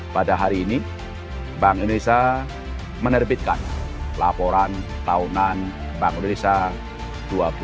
pada hari ini bank indonesia menerbitkan laporan tahunan bank indonesia dua ribu dua puluh